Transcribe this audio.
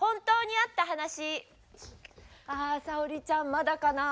あ沙保里ちゃんまだかな。